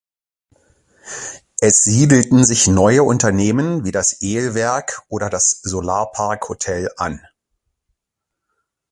Es siedelten sich neue Unternehmen wie das Ehl-Werk oder das Solar-Park-Hotel an.